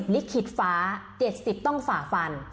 ลิขิตฟ้า๗๐ต้องฝ่าฟัน